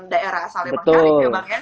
daerah asal bang sharif